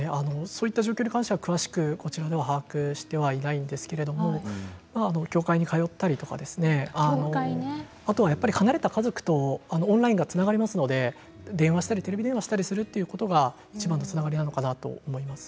そういった状況についてはこちらでは詳しく把握していないんですけれど教会に通ったりとかあとは離れた家族とオンラインでつながりますのでテレビ電話したりするというのがいちばんのつながりなのかな